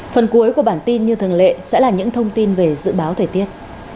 phần cuối của bản tin như thường lệ sẽ là những thông tin về dự báo thời tiết